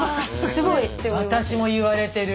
私も言われてる。